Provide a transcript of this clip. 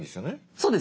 そうです。